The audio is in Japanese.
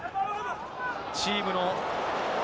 チームの。